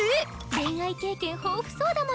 恋愛経験豊富そうだものね。